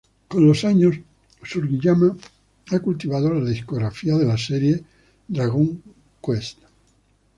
Con los años, Sugiyama ha cultivado la discografía de la serie Dragon Quest.